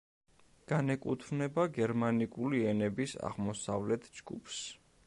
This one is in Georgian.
განეკუთვნება გერმანიკული ენების აღმოსავლეთ ჯგუფს.